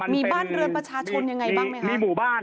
มีบ้านเรือนประชาชนยังไงบ้าง